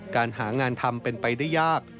การหางานทำเป็นไปได้ยาก